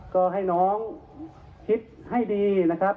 ก็ให้น้องคิดให้ดีนะครับ